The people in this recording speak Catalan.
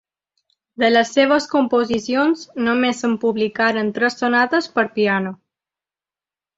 De les seves composicions només se'n publicaren tres sonates per a piano.